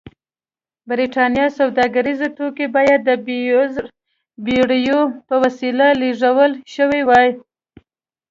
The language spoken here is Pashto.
برېټانیا سوداګریز توکي باید د بېړیو په وسیله لېږدول شوي وای.